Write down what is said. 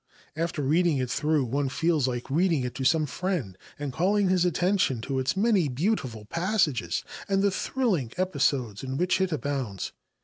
After reading it through one feels like reading it to some friend, and calling his attention to its many beautiful passages and the thrilling episodes in which it abounds.